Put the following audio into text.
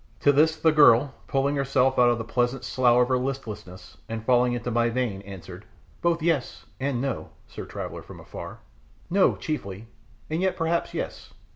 To this the girl, pulling herself out of the pleasant slough of her listlessness, and falling into my vein, answered "Both yes and no, sir traveller from afar no chiefly, and yet perhaps yes.